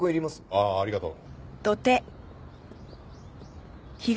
ああありがとう。